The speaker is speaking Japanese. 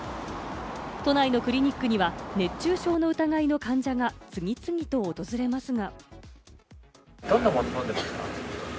都内のクリニックには熱中症の疑いの患者が次々と訪れますが。